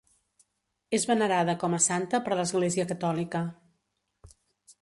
És venerada com a santa per l'Església Catòlica.